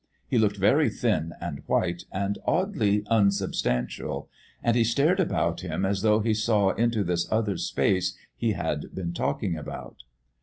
He looked very thin and white and oddly unsubstantial, and he stared about him as though he saw into this other space he had been talking about.